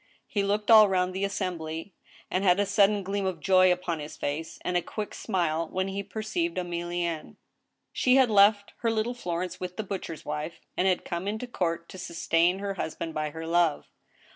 He looked all round the assembly, and had a sudden gleam of joy upon his face, and a quick smile^ when he perceived Emili enne. She had left her little Florence with the butcher's wife, and had come into court to sustain her husband by her love.